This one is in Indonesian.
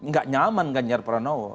gak nyaman ganjar peranowo